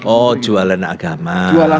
oh jualan agama